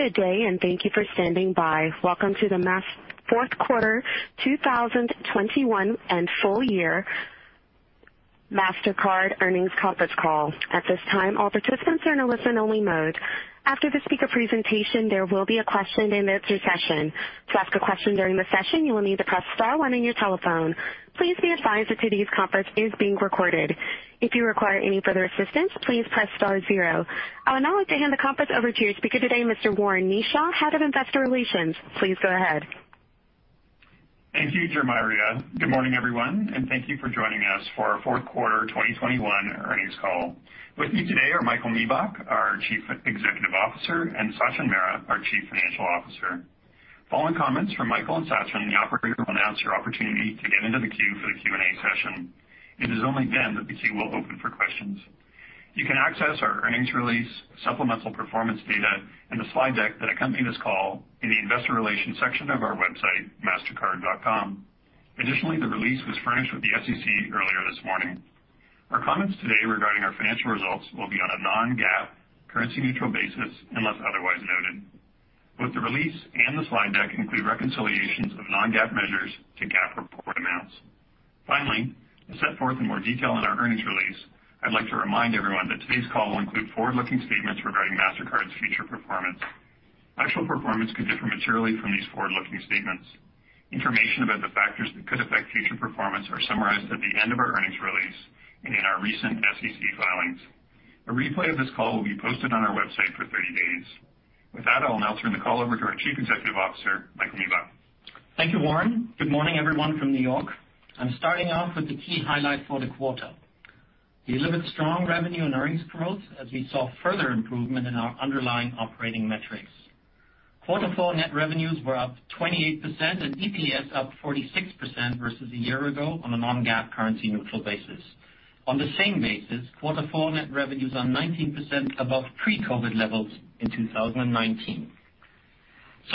Good day, and thank you for standing by. Welcome to the fourth quarter 2021 and full year Mastercard earnings conference call. At this time, all participants are in a listen-only mode. After the speaker presentation, there will be a question and answer session. To ask a question during the session, you will need to press star one on your telephone. Please be advised that today's conference is being recorded. If you require any further assistance, please press star zero. I would now like to hand the conference over to your speaker today, Mr. Warren Kneeshaw, Head of Investor Relations. Please go ahead. Thank you, Jamaria. Good morning, everyone, and thank you for joining us for our Q4 2021 earnings call. With me today are Michael Miebach, our Chief Executive Officer, and Sachin Mehra, our Chief Financial Officer. Following comments from Michael and Sachin, the operator will announce your opportunity to get into the queue for the Q&A session. It is only then that the queue will open for questions. You can access our earnings release, supplemental performance data and the slide deck that accompany this call in the investor relations section of our website, mastercard.com. Additionally, the release was furnished with the SEC earlier this morning. Our comments today regarding our financial results will be on a non-GAAP currency neutral basis unless otherwise noted. Both the release and the slide deck include reconciliations of non-GAAP measures to GAAP reported amounts. Finally, as set forth in more detail in our earnings release, I'd like to remind everyone that today's call will include forward-looking statements regarding Mastercard's future performance. Actual performance could differ materially from these forward-looking statements. Information about the factors that could affect future performance are summarized at the end of our earnings release and in our recent SEC filings. A replay of this call will be posted on our website for 30 days. With that, I'll now turn the call over to our Chief Executive Officer, Michael Miebach. Thank you, Warren. Good morning, everyone from New York. I'm starting off with the key highlight for the quarter. We delivered strong revenue and earnings growth as we saw further improvement in our underlying operating metrics. Quarter four net revenues were up 28% and EPS up 46% versus a year ago on a non-GAAP currency neutral basis. On the same basis, quarter four net revenues are 19% above pre-COVID levels in 2019.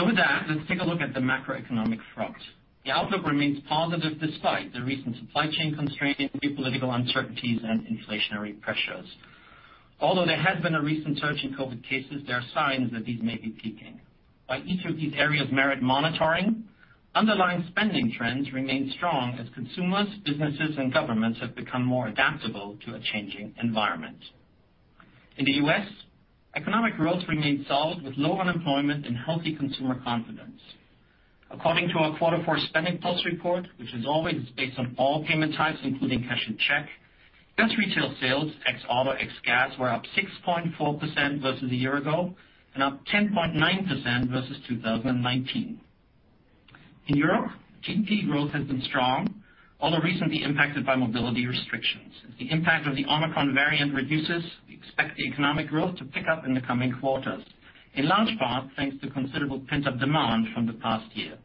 With that, let's take a look at the macroeconomic front. The outlook remains positive despite the recent supply chain constraints, geopolitical uncertainties and inflationary pressures. Although there has been a recent surge in COVID cases, there are signs that these may be peaking. While each of these areas merit monitoring, underlying spending trends remain strong as consumers, businesses and governments have become more adaptable to a changing environment. In the U.S., economic growth remains solid with low unemployment and healthy consumer confidence. According to our quarter four SpendingPulse report, which is always based on all payment types, including cash and check, U.S. retail sales ex auto, ex gas were up 6.4% versus a year ago and up 10.9% versus 2019. In Europe, GDP growth has been strong, although recently impacted by mobility restrictions. As the impact of the Omicron variant reduces, we expect the economic growth to pick up in the coming quarters, in large part thanks to considerable pent-up demand from the past year.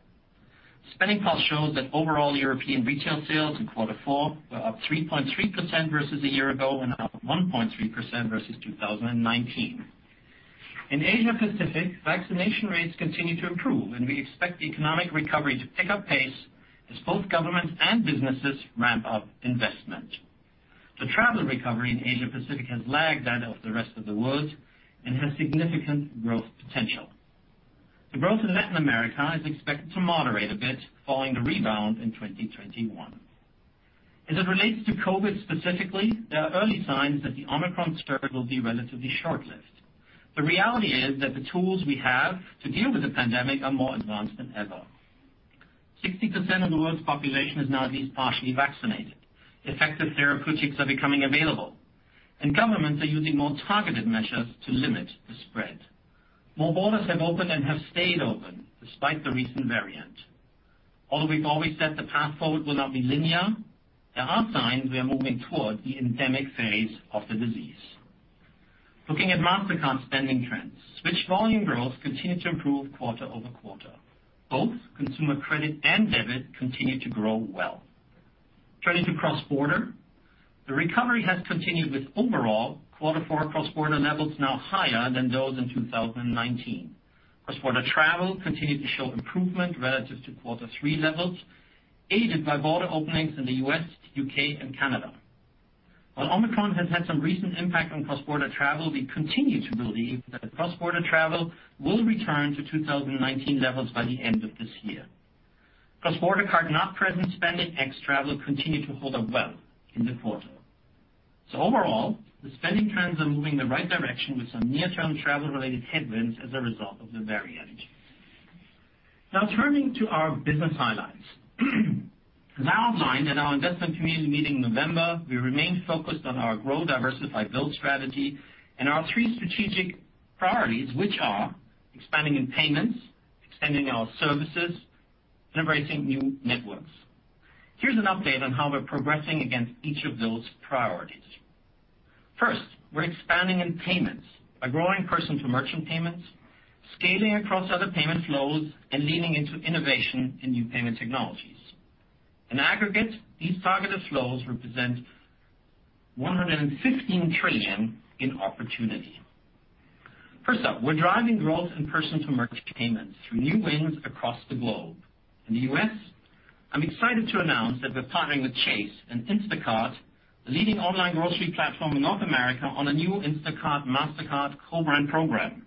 SpendingPulse shows that overall European retail sales in quarter four were up 3.3% versus a year ago and up 1.3% versus 2019. In Asia Pacific, vaccination rates continue to improve and we expect the economic recovery to pick up pace as both governments and businesses ramp up investment. The travel recovery in Asia Pacific has lagged that of the rest of the world and has significant growth potential. The growth in Latin America is expected to moderate a bit following the rebound in 2021. As it relates to COVID specifically, there are early signs that the Omicron surge will be relatively short-lived. The reality is that the tools we have to deal with the pandemic are more advanced than ever. 60% of the world's population is now at least partially vaccinated. Effective therapeutics are becoming available. Governments are using more targeted measures to limit the spread. More borders have opened and have stayed open despite the recent variant. Although we've always said the path forward will not be linear, there are signs we are moving toward the endemic phase of the disease. Looking at Mastercard spending trends, switch volume growth continued to improve quarter-over-quarter. Both consumer credit and debit continued to grow well. Turning to cross-border, the recovery has continued with overall quarter four cross-border levels now higher than those in 2019. Cross-border travel continued to show improvement relative to quarter three levels, aided by border openings in the U.S., U.K. and Canada. While Omicron has had some recent impact on cross-border travel, we continue to believe that cross-border travel will return to 2019 levels by the end of this year. Cross-border card not present spending ex travel continued to hold up well in the quarter. Overall, the spending trends are moving in the right direction with some near-term travel related headwinds as a result of the variant. Now turning to our business highlights. As outlined at our Investment Community Meeting in November, we remain focused on our Grow, Diversify, Build strategy and our three strategic priorities, which are Expanding in Payments, Extending Our Services, and Embracing New Networks. Here's an update on how we're progressing against each of those priorities. First, we're expanding in payments by growing person to merchant payments, scaling across other payment flows, and leaning into innovation in new payment technologies. In aggregate, these targeted flows represent 115 trillion in opportunity. First up, we're driving growth in personal merchant payments through new wins across the globe. In the U.S., I'm excited to announce that we're partnering with Chase and Instacart, the leading online grocery platform in North America, on a new Instacart-Mastercard co-brand program.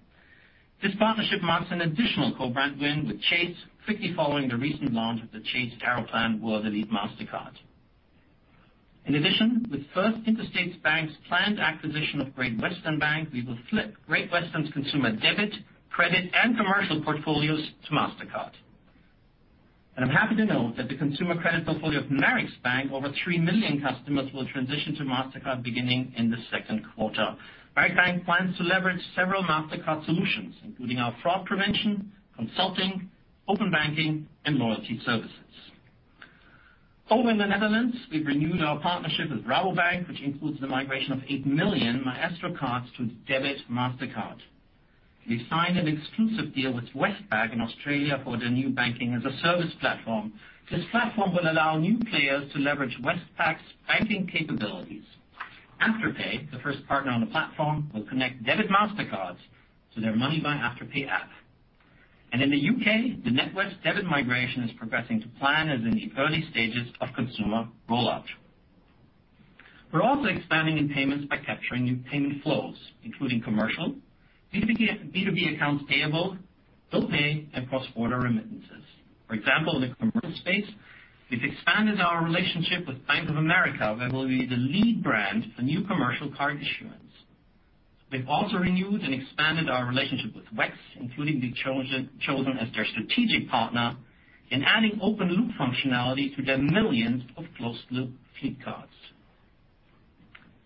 This partnership marks an additional co-brand win with Chase, quickly following the recent launch of the Chase Aeroplan World Elite Mastercard. In addition, with First Interstate Bank's planned acquisition of Great Western Bank, we will flip Great Western's consumer debit, credit, and commercial portfolios to Mastercard. I'm happy to note that the consumer credit portfolio of Merrick Bank, over 3 million customers, will transition to Mastercard beginning in the second quarter. Merrick Bank plans to leverage several Mastercard solutions, including our fraud prevention, consulting, open banking, and loyalty services. Over in the Netherlands, we've renewed our partnership with Rabobank, which includes the migration of 8 million Maestro cards to Debit Mastercard. We've signed an exclusive deal with Westpac in Australia for their new banking-as-a-service platform. This platform will allow new players to leverage Westpac's banking capabilities. Afterpay, the first partner on the platform, will connect Debit Mastercards to their Money by Afterpay app. In the U.K., the NatWest debit migration is progressing to plan as we're in the early stages of consumer rollout. We're also expanding in payments by capturing new payment flows, including commercial, B2B accounts payable, bill pay, and cross-border remittances. For example, in the commercial space, we've expanded our relationship with Bank of America, where we'll be the lead brand for new commercial card issuance. We've also renewed and expanded our relationship with WEX, including being chosen as their strategic partner in adding open loop functionality to their millions of closed loop fleet cards.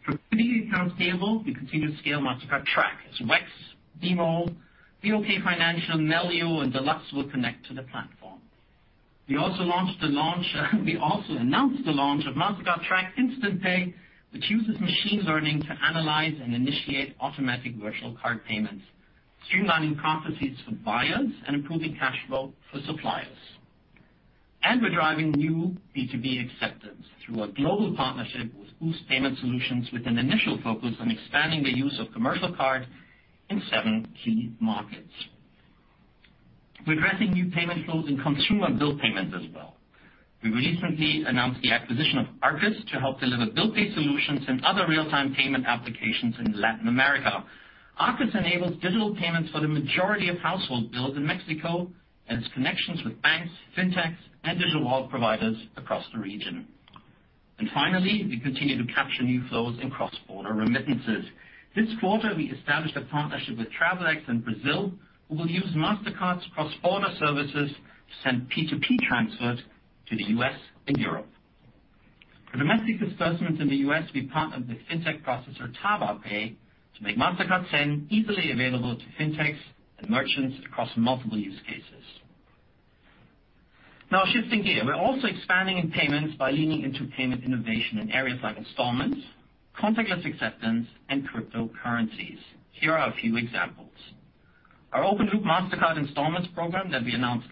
For B2B accounts payable, we continue to scale Mastercard Track as WEX, BMO, BOK Financial, Melio, and Deluxe will connect to the platform. We also announced the launch of Mastercard Track Instant Pay, which uses machine learning to analyze and initiate automatic virtual card payments, streamlining processes for buyers and improving cash flow for suppliers. We're driving new B2B acceptance through a global partnership with Boost Payment Solutions, with an initial focus on expanding the use of commercial card in seven key markets. We're addressing new payment flows and consumer bill payments as well. We recently announced the acquisition of Arcus to help deliver bill pay solutions and other real-time payment applications in Latin America. Arcus enables digital payments for the majority of household bills in Mexico and its connections with banks, fintechs, and digital wallet providers across the region. Finally, we continue to capture new flows in cross-border remittances. This quarter, we established a partnership with Travelex in Brazil, who will use Mastercard's cross-border services to send P2P transfers to the U.S. and Europe. For domestic disbursements in the U.S., we partnered with fintech processor TabaPay to make Mastercard Send easily available to fintechs and merchants across multiple use cases. Now shifting gear. We're also expanding in payments by leaning into payment innovation in areas like installments, contactless acceptance, and cryptocurrencies. Here are a few examples. Our open loop Mastercard installments program that we announced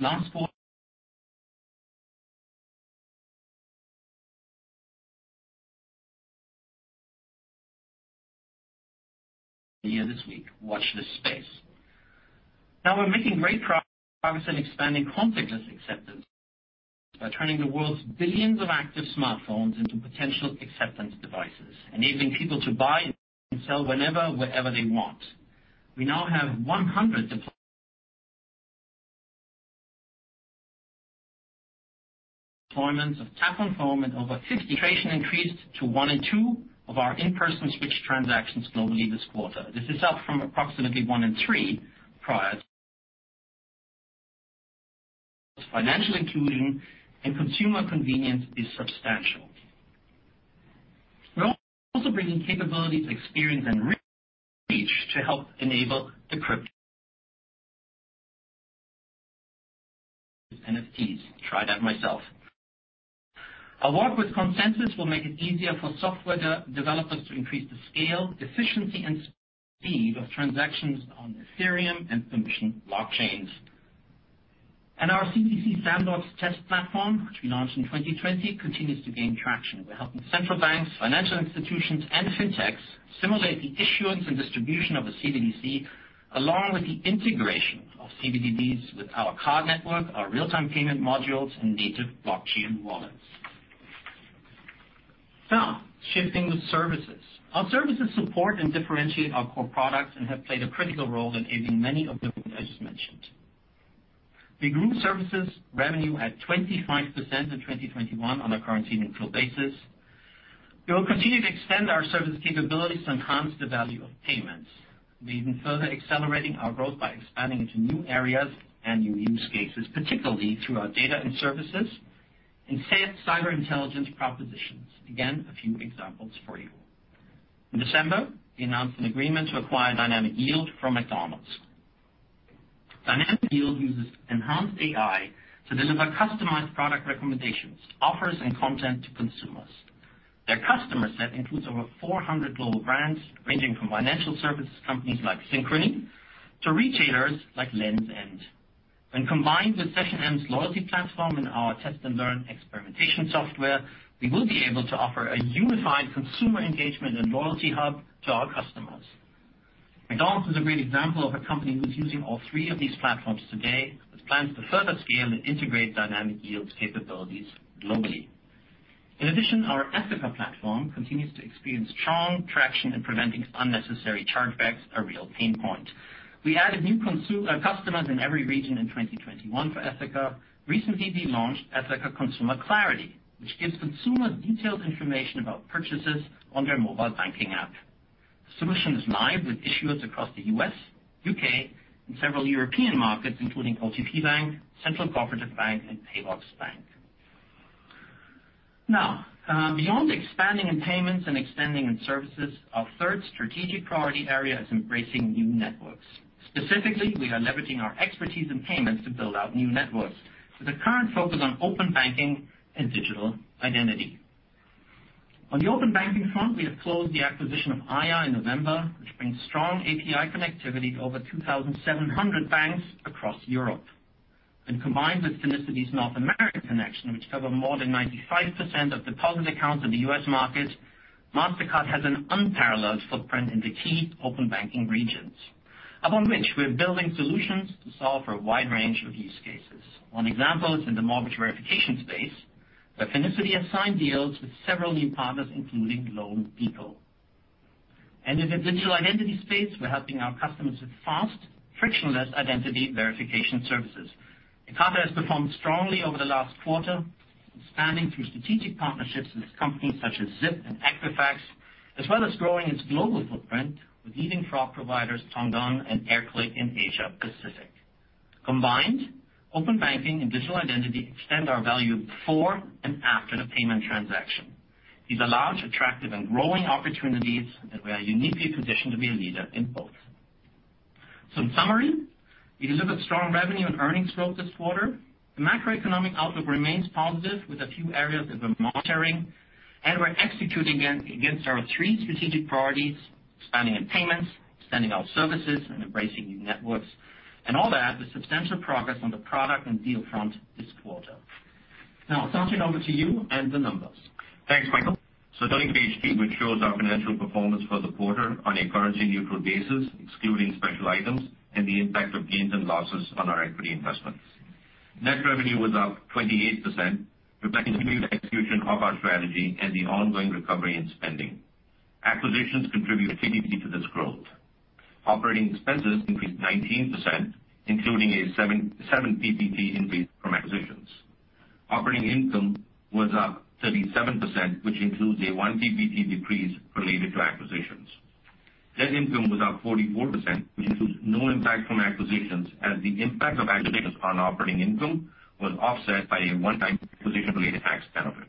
this week. Watch this space. Now we're making great progress in expanding contactless acceptance by turning the world's billions of active smartphones into potential acceptance devices, enabling people to buy and sell whenever, wherever they want. We now have 100 deployments of Tap on Phone and increased to 1 in 2 of our in-person swipe transactions globally this quarter. This is up from approximately 1 in 3 prior. Financial inclusion and consumer convenience is substantial. We're also bringing capabilities, experience, and reach to help enable the crypto NFTs. Tried that myself. Our work with ConsenSys will make it easier for software developers to increase the scale, efficiency, and speed of transactions on Ethereum and permissioned blockchains. Our CBDC Sandbox test platform, which we launched in 2020, continues to gain traction. We're helping central banks, financial institutions, and fintechs simulate the issuance and distribution of a CBDC, along with the integration of CBDCs with our card network, our real-time payment modules, and native blockchain wallets. Now, shifting to services. Our services support and differentiate our core products and have played a critical role in enabling many of the things I just mentioned. We grew services revenue at 25% in 2021 on a currency neutral basis. We will continue to extend our service capabilities to enhance the value of payments. We're even further accelerating our growth by expanding into new areas and new use cases, particularly through our data and services and cyber intelligence propositions. Again, a few examples for you. In December, we announced an agreement to acquire Dynamic Yield from McDonald's. Dynamic Yield uses enhanced AI to deliver customized product recommendations, offers, and content to consumers. Their customer set includes over 400 global brands, ranging from financial services companies like Synchrony to retailers like Lenskart. When combined with SessionM's loyalty platform and our Test & Learn experimentation software, we will be able to offer a unified consumer engagement and loyalty hub to our customers. McDonald's is a great example of a company who's using all three of these platforms today, with plans to further scale and integrate Dynamic Yield's capabilities globally. In addition, our Ethoca platform continues to experience strong traction in preventing unnecessary chargebacks, a real pain point. We added new customers in every region in 2021 for Ethoca. Recently, we launched Ethoca Consumer Clarity, which gives consumers detailed information about purchases on their mobile banking app. The solution is live with issuers across the U.S., U.K., and several European markets, including OTP Bank, Central Cooperative Bank, and Paybox Bank. Now, beyond expanding in payments and extending in services, our third strategic priority area is embracing new networks. Specifically, we are leveraging our expertise in payments to build out new networks, with a current focus on open banking and digital identity. On the open banking front, we have closed the acquisition of Aiia in November, which brings strong API connectivity to over 2,700 banks across Europe. When combined with Finicity's North American connection, which cover more than 95% of deposit accounts in the U.S. market, Mastercard has an unparalleled footprint in the key open banking regions, upon which we're building solutions to solve for a wide range of use cases. One example is in the mortgage verification space, where Finicity has signed deals with several new partners, including loanDepot. In the digital identity space, we're helping our customers with fast, frictionless identity verification services. Ekata has performed strongly over the last quarter, expanding through strategic partnerships with companies such as Zip and Equifax, as well as growing its global footprint with leading fraud providers Tongdun and iClick in Asia-Pacific. Combined, open banking and digital identity extend our value before and after the payment transaction. These are large, attractive and growing opportunities that we are uniquely positioned to be a leader in both. In summary, we delivered strong revenue and earnings growth this quarter. The macroeconomic outlook remains positive with a few areas that we're monitoring, and we're executing against our three strategic priorities, expanding in payments, extending our services, and embracing new networks. All that with substantial progress on the product and deal front this quarter. Now, Sachin, over to you and the numbers. Thanks, Michael. Turning to page 3, which shows our financial performance for the quarter on a currency neutral basis, excluding special items and the impact of gains and losses on our equity investments. Net revenue was up 28%, reflecting continued execution of our strategy and the ongoing recovery in spending. Acquisitions contributed 3 basis points to this growth. Operating expenses increased 19%, including a 7 percentage points increase from acquisitions. Operating income was up 37%, which includes a 1 percentage point decrease related to acquisitions. Net income was up 44%, which includes no impact from acquisitions, as the impact of acquisitions on operating income was offset by a one-time acquisition-related tax benefit.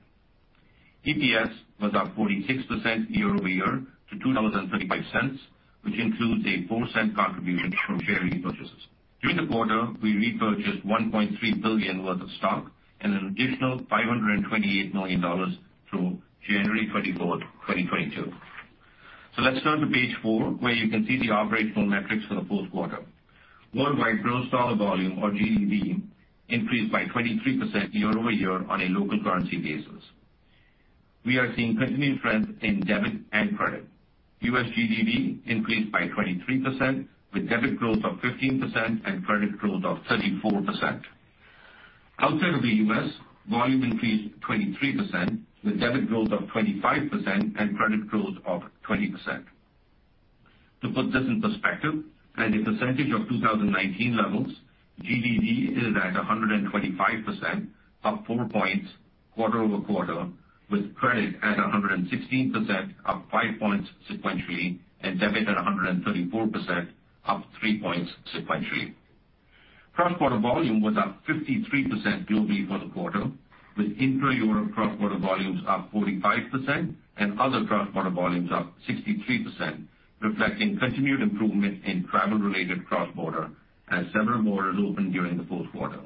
EPS was up 46% year-over-year to $2.35, which includes a 4-cent contribution from share repurchases. During the quarter, we repurchased $1.3 billion worth of stock and an additional $528 million through January 24, 2022. Let's turn to page four, where you can see the operational metrics for the fourth quarter. Worldwide gross dollar volume, or GDV, increased by 23% year-over-year on a local currency basis. We are seeing continued trends in debit and credit. U.S. GDV increased by 23%, with debit growth of 15% and credit growth of 34%. Outside of the U.S., volume increased 23%, with debit growth of 25% and credit growth of 20%. To put this in perspective, as a percentage of 2019 levels, GDV is at 125%, up 4 points quarter-over-quarter, with credit at 116%, up 5 points sequentially, and debit at 134%, up 3 points sequentially. Cross-border volume was up 53% globally for the quarter, with intra-Europe cross-border volumes up 45% and other cross-border volumes up 63%, reflecting continued improvement in travel-related cross-border as several borders opened during the fourth quarter.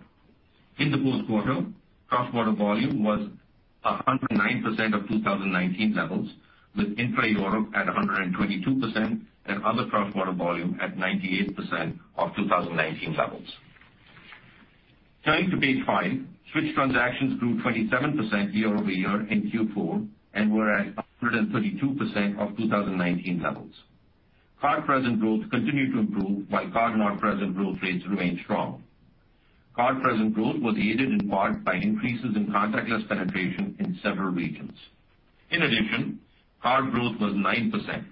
In the fourth quarter, cross-border volume was 109% of 2019 levels, with intra-Europe at 122% and other cross-border volume at 98% of 2019 levels. Turning to page 5, switch transactions grew 27% year-over-year in Q4 and were at 132% of 2019 levels. Card present growth continued to improve while card not present growth rates remained strong. Card present growth was aided in part by increases in contactless penetration in several regions. In addition, card growth was 9%.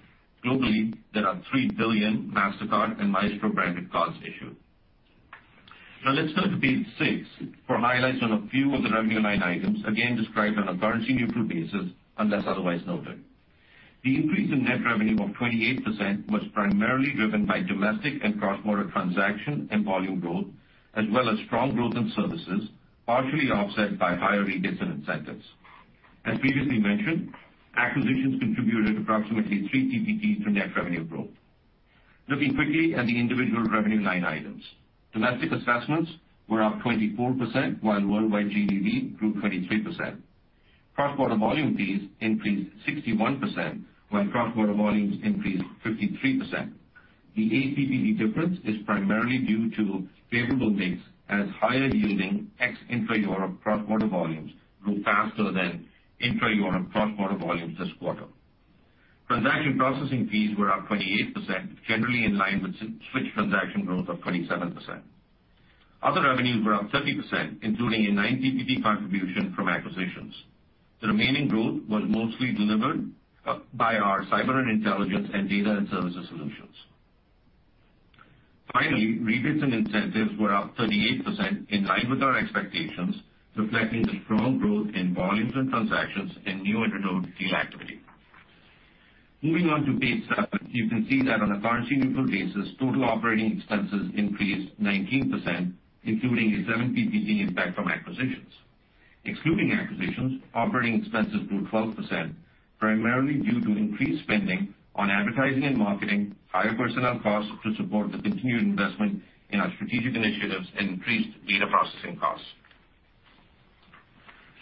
Globally, there are 3 billion Mastercard and Maestro branded cards issued. Now let's turn to page 6 for highlights on a few of the revenue line items, again described on a currency neutral basis unless otherwise noted. The increase in net revenue of 28% was primarily driven by domestic and cross-border transaction and volume growth, as well as strong growth in services, partially offset by higher rebates and incentives. As previously mentioned, acquisitions contributed approximately three basis points to net revenue growth. Looking quickly at the individual revenue line items. Domestic assessments were up 24%, while worldwide GDV grew 23%. Cross-border volume fees increased 61%, while cross-border volumes increased 53%. The APPD difference is primarily due to favorable mix as higher yielding ex-Europe cross-border volumes grew faster than intra-Europe cross-border volumes this quarter. Transaction processing fees were up 28%, generally in line with Switch transaction growth of 27%. Other revenues were up 30%, including a 9 ppt contribution from acquisitions. The remaining growth was mostly delivered by our Cyber & Intelligence and Data & Services solutions. Finally, rebates and incentives were up 38%, in line with our expectations, reflecting the strong growth in volumes and transactions and new and renewed deal activity. Moving on to page seven, you can see that on a currency-neutral basis, total operating expenses increased 19%, including a 7 ppt impact from acquisitions. Excluding acquisitions, operating expenses grew 12%, primarily due to increased spending on advertising and marketing, higher personnel costs to support the continued investment in our strategic initiatives, and increased data processing costs.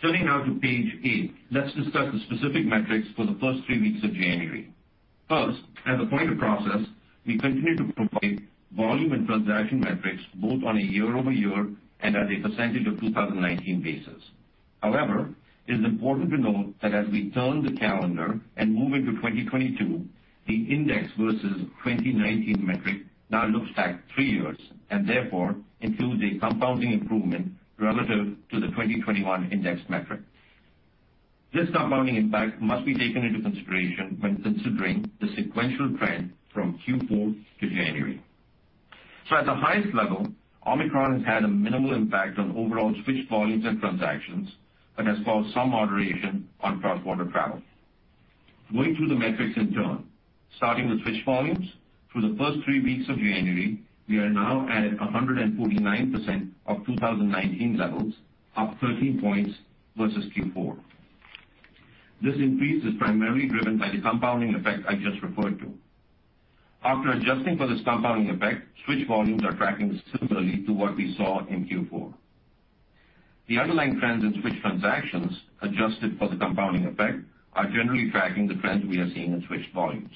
Turning now to page eight, let's discuss the specific metrics for the first three weeks of January. First, as a point of process, we continue to provide volume and transaction metrics both on a year-over-year and as a percentage of 2019 basis. However, it is important to note that as we turn the calendar and move into 2022, the index versus 2019 metric now looks at three years and therefore includes a compounding improvement relative to the 2021 index metric. This compounding impact must be taken into consideration when considering the sequential trend from Q4 to January. At the highest level, Omicron has had a minimal impact on overall switched volumes and transactions, but has caused some moderation on cross-border travel. Going through the metrics in turn, starting with switched volumes, through the first three weeks of January, we are now at 149% of 2019 levels, up 13 points versus Q4. This increase is primarily driven by the compounding effect I just referred to. After adjusting for this compounding effect, switched volumes are tracking similarly to what we saw in Q4. The underlying trends in switched transactions, adjusted for the compounding effect, are generally tracking the trends we are seeing in switched volumes.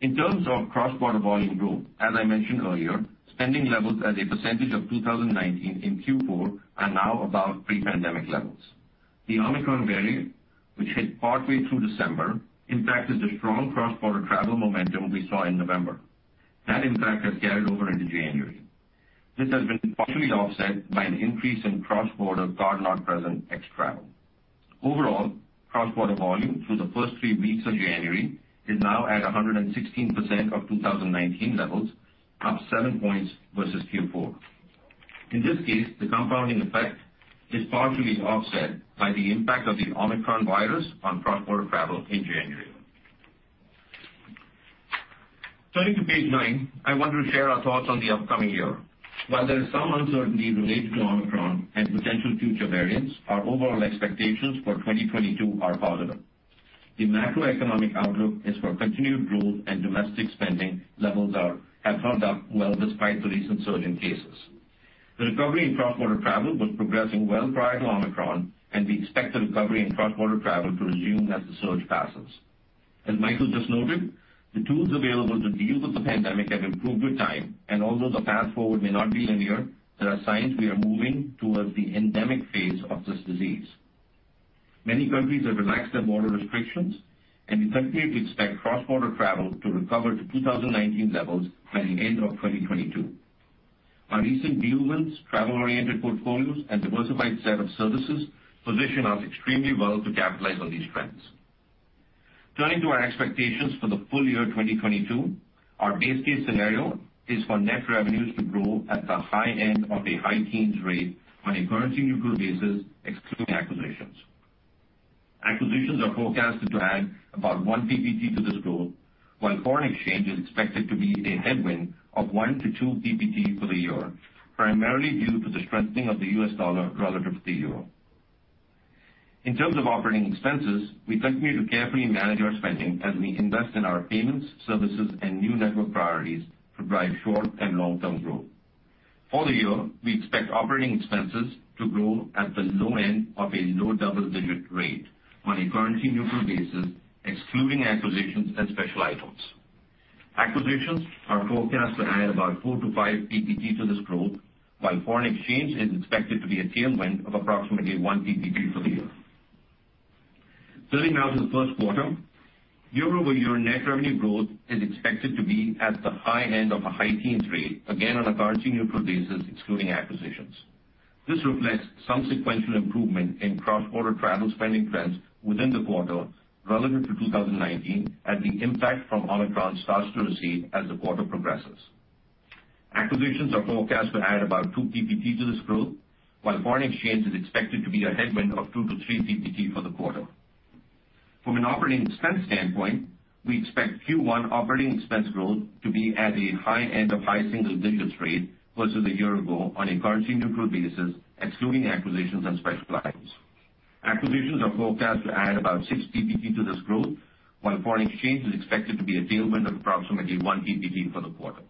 In terms of cross-border volume growth, as I mentioned earlier, spending levels as a percentage of 2019 in Q4 are now above pre-pandemic levels. The Omicron variant, which hit partway through December, impacted the strong cross-border travel momentum we saw in November. That impact has carried over into January. This has been partially offset by an increase in cross-border card-not-present ex-travel. Overall, cross-border volume through the first three weeks of January is now at 116% of 2019 levels, up 7 points versus Q4. In this case, the compounding effect is partially offset by the impact of the Omicron virus on cross-border travel in January. Turning to page 9, I want to share our thoughts on the upcoming year. While there is some uncertainty related to Omicron and potential future variants, our overall expectations for 2022 are positive. The macroeconomic outlook is for continued growth and domestic spending levels have held up well despite the recent surge in cases. The recovery in cross-border travel was progressing well prior to Omicron, and we expect the recovery in cross-border travel to resume as the surge passes. As Michael just noted, the tools available to deal with the pandemic have improved with time, and although the path forward may not be linear, there are signs we are moving towards the endemic phase of this disease. Many countries have relaxed their border restrictions, and we continue to expect cross-border travel to recover to 2019 levels by the end of 2022. Our recent deal wins, travel-oriented portfolios, and diversified set of services position us extremely well to capitalize on these trends. Turning to our expectations for the full year 2022, our base case scenario is for net revenues to grow at the high end of a high-teens rate on a currency-neutral basis, excluding acquisitions. Acquisitions are forecasted to add about 1 ppt to this growth, while foreign exchange is expected to be a headwind of 1-2 ppt for the year, primarily due to the strengthening of the U.S. dollar relative to the euro. In terms of operating expenses, we continue to carefully manage our spending as we invest in our payments, services, and new network priorities to drive short- and long-term growth. For the year, we expect operating expenses to grow at the low end of a low double-digit rate on a currency-neutral basis, excluding acquisitions and special items. Acquisitions are forecast to add about 4 ppt-5 ppt to this growth, while foreign exchange is expected to be a tailwind of approximately 1 ppt for the year. Turning now to the first quarter, year-over-year net revenue growth is expected to be at the high end of a high teens rate, again on a currency neutral basis, excluding acquisitions. This reflects some sequential improvement in cross-border travel spending trends within the quarter relative to 2019, as the impact from Omicron starts to recede as the quarter progresses. Acquisitions are forecast to add about 2 ppt to this growth, while foreign exchange is expected to be a headwind of 2-3 ppt for the quarter. From an operating expense standpoint, we expect Q1 operating expense growth to be at a high end of high single digits rate versus a year ago on a currency neutral basis, excluding acquisitions and special items. Acquisitions are forecast to add about 6 ppt to this growth, while foreign exchange is expected to be a tailwind of approximately 1 ppt for the quarter.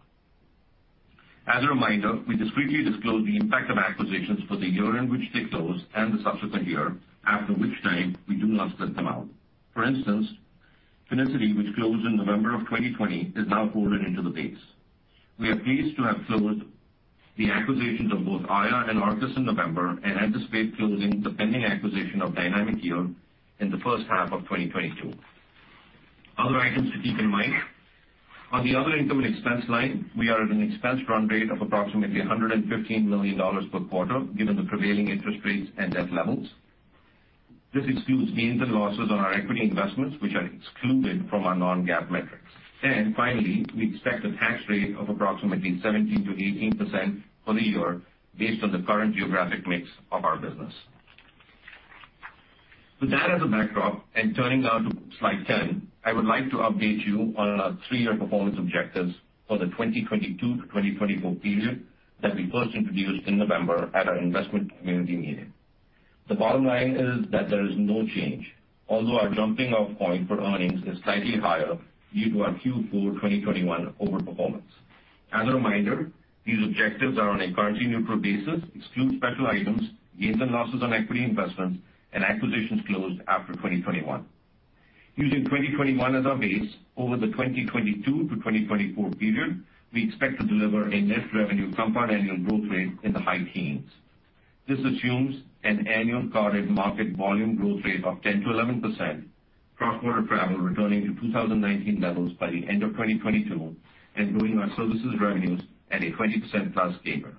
As a reminder, we discretely disclose the impact of acquisitions for the year in which they close and the subsequent year, after which time we do not split them out. For instance, Finicity, which closed in November of 2020, is now folded into the base. We are pleased to have closed the acquisitions of both Aiia and Arcus in November and anticipate closing the pending acquisition of Dynamic Yield in the first half of 2022. Other items to keep in mind. On the other income and expense line, we are at an expense run rate of approximately $115 million per quarter, given the prevailing interest rates and debt levels. This excludes gains and losses on our equity investments, which are excluded from our non-GAAP metrics. Finally, we expect a tax rate of approximately 17%-18% for the year based on the current geographic mix of our business. With that as a backdrop and turning now to slide 10, I would like to update you on our three-year performance objectives for the 2022-2024 period that we first introduced in November at our investment community meeting. The bottom line is that there is no change, although our jumping off point for earnings is slightly higher due to our Q4 2021 overperformance. As a reminder, these objectives are on a currency neutral basis, exclude special items, gains and losses on equity investments and acquisitions closed after 2021. Using 2021 as our base over the 2022-2024 period, we expect to deliver a net revenue compound annual growth rate in the high teens. This assumes an annual card volume growth rate of 10%-11%, cross-border travel returning to 2019 levels by the end of 2022, and growing our services revenues at a 20%+ CAGR.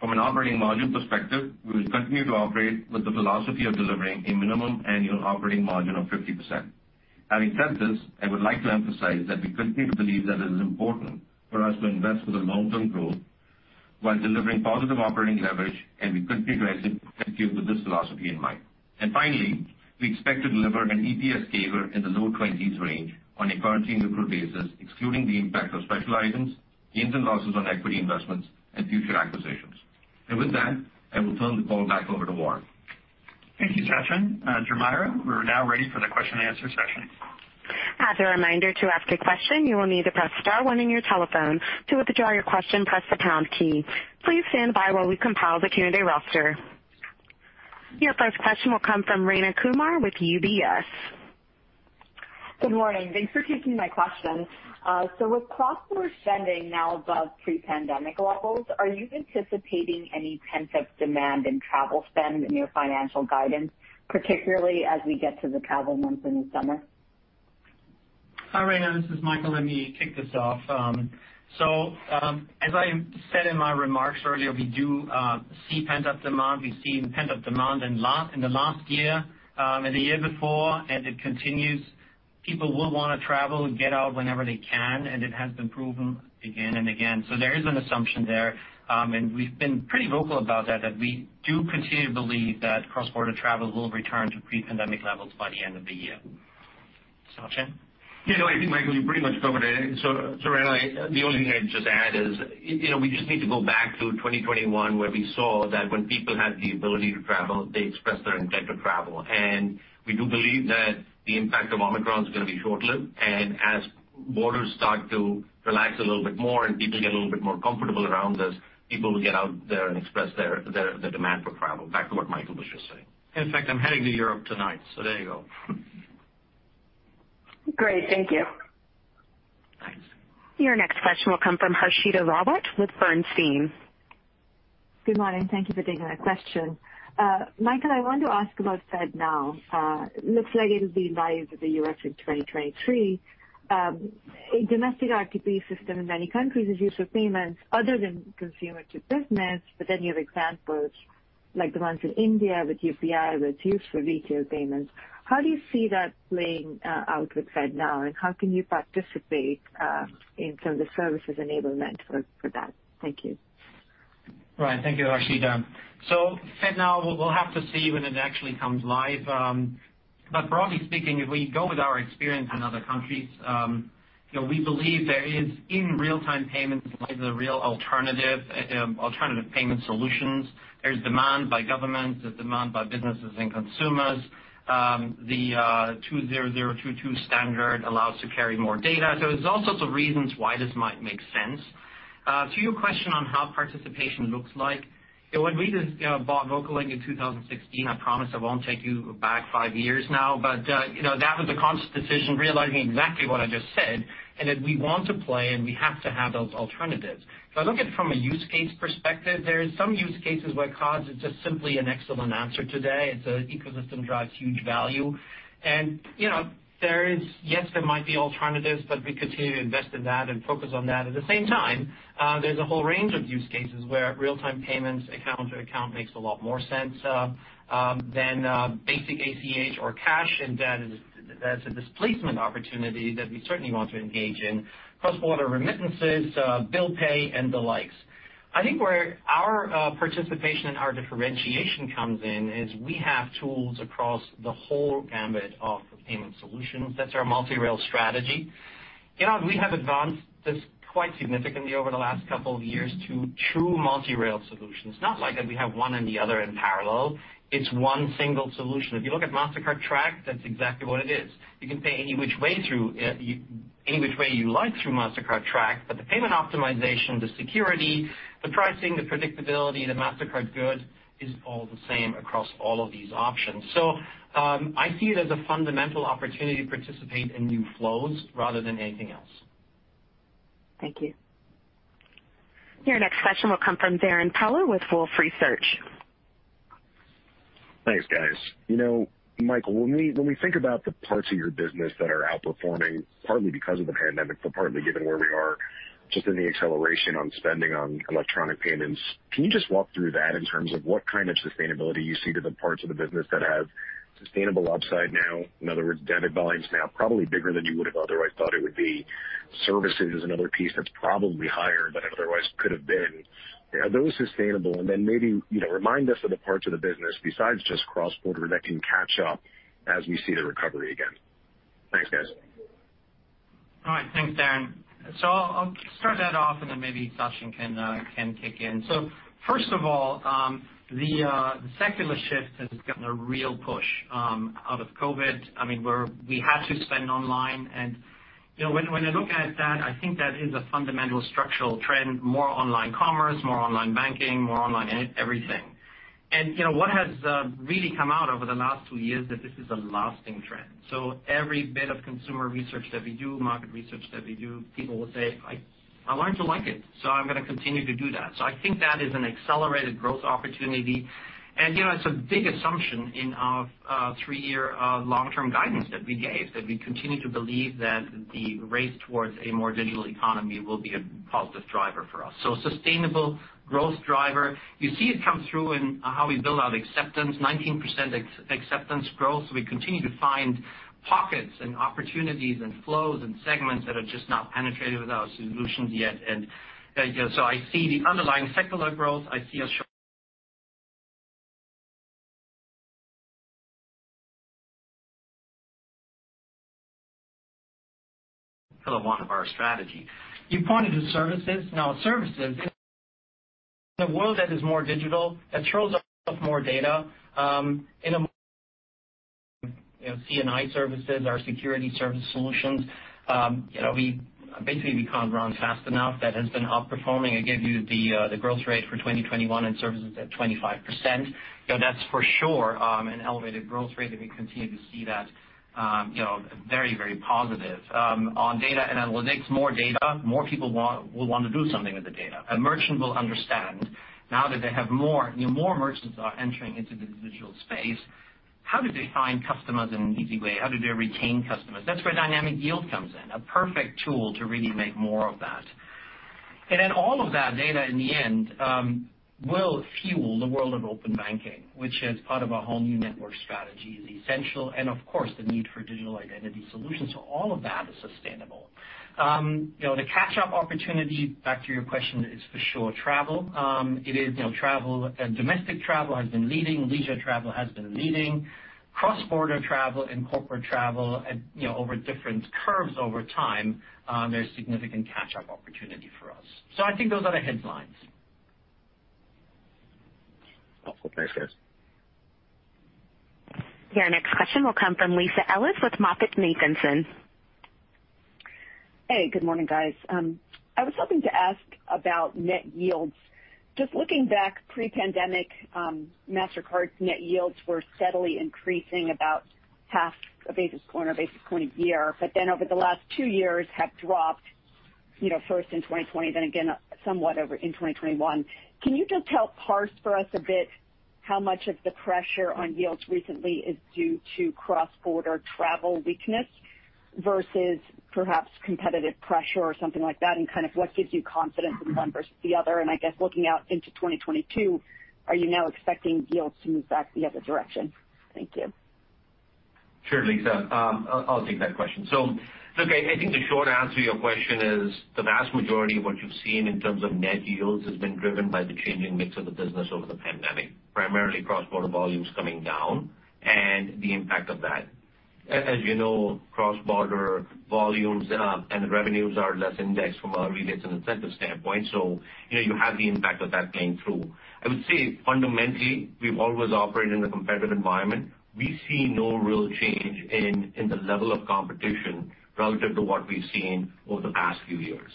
From an operating margin perspective, we will continue to operate with the philosophy of delivering a minimum annual operating margin of 50%. Having said this, I would like to emphasize that we continue to believe that it is important for us to invest for the long-term growth while delivering positive operating leverage, and we continue to execute with this philosophy in mind. Finally, we expect to deliver an EPS CAGR in the low twenties range on a currency neutral basis, excluding the impact of special items, gains and losses on equity investments and future acquisitions. With that, I will turn the call back over to Warren. Thank you, Sachin. Jamaria, we're now ready for the question and answer session. As a reminder, to ask a question, you will need to press star one on your telephone. To withdraw your question, press the pound key. Please stand by while we compile the Q&A roster. Your first question will come from Rayna Kumar with UBS. Good morning. Thanks for taking my question. With cross-border spending now above pre-pandemic levels, are you anticipating any pent-up demand in travel spend in your financial guidance, particularly as we get to the travel months in the summer? Hi, Rayna, this is Michael. Let me kick this off. As I said in my remarks earlier, we do see pent-up demand. We've seen pent-up demand in the last year and the year before, and it continues. People will wanna travel and get out whenever they can, and it has been proven again and again. There is an assumption there, and we've been pretty vocal about that we do continue to believe that cross-border travel will return to pre-pandemic levels by the end of the year. Sachin? Yeah, no, I think Michael, you pretty much covered it. Rayna, the only thing I'd just add is, you know, we just need to go back to 2021, where we saw that when people had the ability to travel, they expressed their intent to travel. We do believe that the impact of Omicron is gonna be short-lived. As borders start to relax a little bit more and people get a little bit more comfortable around this, people will get out there and express their demand for travel, back to what Michael was just saying. In fact, I'm heading to Europe tonight, so there you go. Great. Thank you. Thanks. Your next question will come from Harshita Rawat with Bernstein. Good morning. Thank you for taking my question. Michael, I want to ask about FedNow. Looks like it'll be live with the U.S. in 2023. A domestic RTP system in many countries is used for payments other than consumer to business. You have examples like the ones in India with UPI, where it's used for retail payments. How do you see that playing out with FedNow, and how can you participate in some of the services enablement for that? Thank you. Right. Thank you, Harshita. FedNow, we'll have to see when it actually comes live. Broadly speaking, if we go with our experience in other countries, you know, we believe there is in real-time payments a real alternative payment solutions. There's demand by governments, there's demand by businesses and consumers. The ISO 20022 standard allows to carry more data. There's all sorts of reasons why this might make sense. To your question on how participation looks like, you know, when we just, you know, bought VocaLink in 2016, I promise I won't take you back five years now, but, you know, that was a conscious decision, realizing exactly what I just said, and that we want to play and we have to have those alternatives. If I look at it from a use case perspective, there are some use cases where cards are just simply an excellent answer today. It's an ecosystem that drives huge value. There might be alternatives, but we continue to invest in that and focus on that. At the same time, there's a whole range of use cases where real-time payments account-to-account makes a lot more sense than basic ACH or cash, and that's a displacement opportunity that we certainly want to engage in. Cross-border remittances, bill pay, and the likes. I think where our participation and our differentiation comes in is we have tools across the whole gamut of payment solutions. That's our multi-rail strategy. You know, we have advanced this quite significantly over the last couple of years to true multi-rail solutions. Not like that we have one and the other in parallel. It's one single solution. If you look at Mastercard Track, that's exactly what it is. You can pay any which way through, any which way you like through Mastercard Track, but the payment optimization, the security, the pricing, the predictability, the Mastercard good is all the same across all of these options. I see it as a fundamental opportunity to participate in new flows rather than anything else. Thank you. Your next question will come from Darrin Peller with Wolfe Research. Thanks, guys. You know, Michael, when we think about the parts of your business that are outperforming partly because of the pandemic, but partly given where we are just in the acceleration on spending on electronic payments, can you just walk through that in terms of what kind of sustainability you see to the parts of the business that have sustainable upside now? In other words, debit volumes now probably bigger than you would have otherwise thought it would be. Services is another piece that's probably higher than it otherwise could have been. Are those sustainable? Then maybe, you know, remind us of the parts of the business besides just cross-border that can catch up as we see the recovery again. Thanks, guys. All right. Thanks, Darrin. I'll start that off, and then maybe Sachin can kick in. First of all, the secular shift has gotten a real push out of COVID. I mean, we had to spend online and, you know, when I look at that, I think that is a fundamental structural trend, more online commerce, more online banking, more online e-everything. You know, what has really come out over the last two years that this is a lasting trend. Every bit of consumer research that we do, market research that we do, people will say, "I learned to like it, so I'm gonna continue to do that." I think that is an accelerated growth opportunity. You know, it's a big assumption in our three-year long-term guidance that we gave, that we continue to believe that the race towards a more digital economy will be a positive driver for us. Sustainable growth driver. You see it come through in how we build out acceptance, 19% acceptance growth. We continue to find pockets and opportunities and flows and segments that are just not penetrated with our solutions yet. I see the underlying secular growth. I see pillar one of our strategy. You pointed to services. Services in a world that is more digital, that shows up more data, in C&I services, our security service solutions, we basically can't run fast enough. That has been outperforming. I gave you the growth rate for 2021 in services at 25%. You know, that's for sure an elevated growth rate, and we continue to see that you know very positive. On data and analytics, more data, more people will want to do something with the data. A merchant will understand now that they have more, you know, more merchants are entering into the digital space, how do they find customers in an easy way? How do they retain customers? That's where Dynamic Yield comes in, a perfect tool to really make more of that. Then all of that data in the end will fuel the world of open banking, which is part of our whole new network strategy, is essential and of course the need for digital identity solutions. All of that is sustainable. You know, the catch-up opportunity, back to your question, is for sure travel. It is, you know, travel, domestic travel has been leading, leisure travel has been leading. Cross-border travel and corporate travel and, you know, over different curves over time, there's significant catch-up opportunity for us. I think those are the headlines. Helpful. Thanks, guys. Your next question will come from Lisa Ellis with MoffettNathanson. Hey, good morning, guys. I was hoping to ask about net yields. Just looking back pre-pandemic, Mastercard's net yields were steadily increasing about half a basis point or a basis point a year, but then over the last two years have dropped, you know, first in 2020, then again somewhat over in 2021. Can you just help parse for us a bit how much of the pressure on yields recently is due to cross-border travel weakness versus perhaps competitive pressure or something like that, and kind of what gives you confidence in one versus the other? I guess looking out into 2022, are you now expecting yields to move back the other direction? Thank you. Sure, Lisa. I'll take that question. Look, I think the short answer to your question is the vast majority of what you've seen in terms of net yields has been driven by the changing mix of the business over the pandemic, primarily cross-border volumes coming down and the impact of that. As you know, cross-border volumes and revenues are less indexed from a rebates and incentive standpoint. You know, you have the impact of that playing through. I would say fundamentally, we've always operated in a competitive environment. We see no real change in the level of competition relative to what we've seen over the past few years.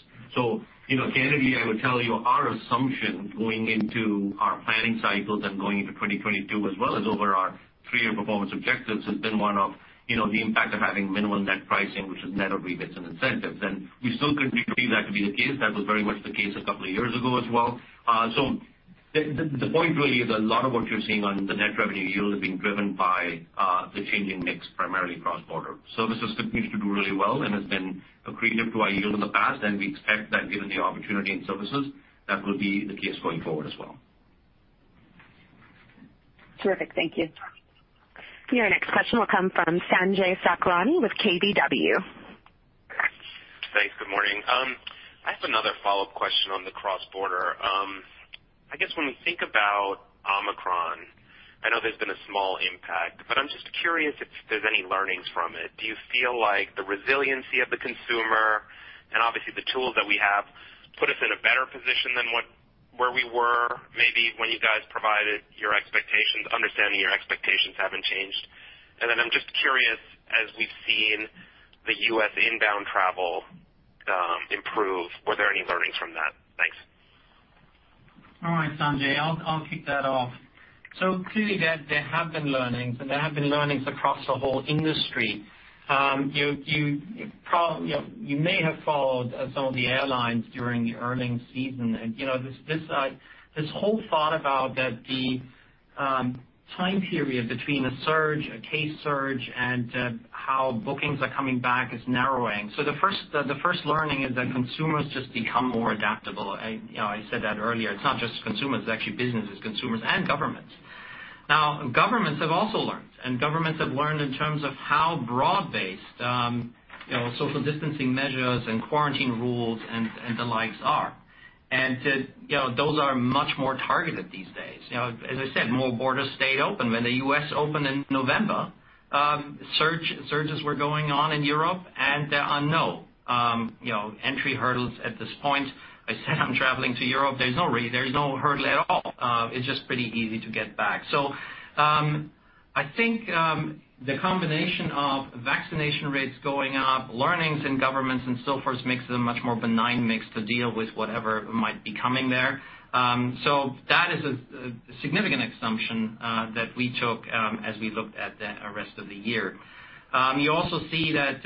You know, candidly, I would tell you our assumption going into our planning cycles and going into 2022 as well as over our three-year performance objectives has been one of, you know, the impact of having minimal net pricing, which is net of rebates and incentives. We still continue to believe that to be the case. That was very much the case a couple of years ago as well. The point really is a lot of what you're seeing on the net revenue yield is being driven by the changing mix primarily cross-border. Services continues to do really well and has been accretive to our yield in the past, and we expect that given the opportunity in services, that will be the case going forward as well. Terrific. Thank you. Your next question will come from Sanjay Sakhrani with KBW. Thanks. Good morning. I have another follow-up question on the cross-border. I guess when we think about Omicron, I know there's been a small impact, but I'm just curious if there's any learnings from it. Do you feel like the resiliency of the consumer and obviously the tools that we have put us in a better position than where we were maybe when you guys provided your expectations, understanding your expectations haven't changed? I'm just curious, as we've seen the U.S. inbound travel improve, were there any learnings from that? Thanks. All right, Sanjay, I'll kick that off. Clearly there have been learnings across the whole industry. You know, you may have followed some of the airlines during the earnings season. You know, this whole thought about the time period between a surge, a case surge, and how bookings are coming back is narrowing. The first learning is that consumers just become more adaptable. You know, I said that earlier. It's not just consumers, it's actually businesses, consumers and governments. Governments have also learned in terms of how broad-based social distancing measures and quarantine rules and the likes are. Those are much more targeted these days. You know, as I said, more borders stayed open. When the U.S. opened in November, surges were going on in Europe and there are no, you know, entry hurdles at this point. I said I'm traveling to Europe, there's no hurdle at all. It's just pretty easy to get back. I think the combination of vaccination rates going up, learnings in governments and so forth makes it a much more benign mix to deal with whatever might be coming there. That is a significant assumption that we took as we looked at the rest of the year. You also see that,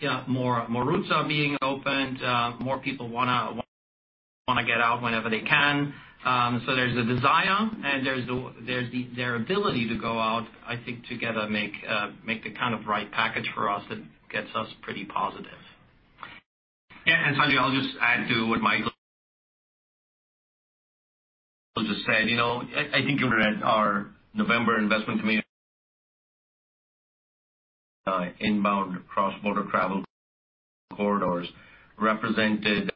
you know, more routes are being opened, more people wanna get out whenever they can. There's a desire and their ability to go out, I think, together make the kind of right package for us that gets us pretty positive. Yeah. Sanjay, I'll just add to what Michael just said. You know, I think you read our November investment committee inbound cross-border travel corridors represented